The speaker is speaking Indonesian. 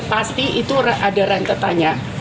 pasti itu ada rentetannya